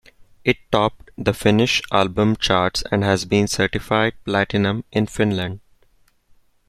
It topped the Finnish album charts and has been certified Platinum in Finland.